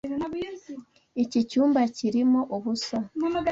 Iki cyumba kirimo ubusa.